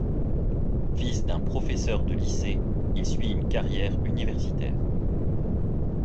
Fils d'un professeur de lycée, il suit une carrière universitaire.